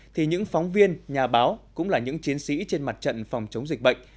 thì những phóng viên nhà báo cũng là những chiến sĩ trên mặt trận phòng chống dịch bệnh